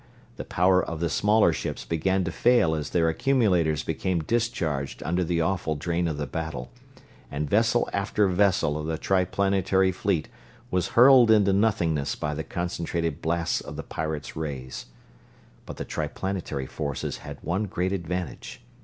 The power of the smaller ships began to fail as their accumulators became discharged under the awful drain of the battle, and vessel after vessel of the Triplanetary fleet was hurled into nothingness by the concentrated blasts of the pirates' rays. But the Triplanetary forces had one great advantage.